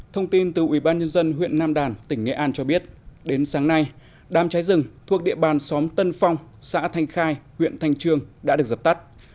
thông tin từ ubnd huyện nam đàn tỉnh nghệ an cho biết đến sáng nay đám cháy rừng thuộc địa bàn xóm tân phong xã thanh khai huyện thanh trương đã được dập tắt